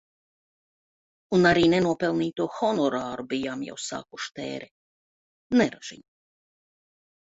Un arī nenopelnīto honorāru bijām jau sākuši tērēt. Neražiņa.